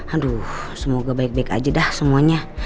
aduh semoga baik baik aja dah semuanya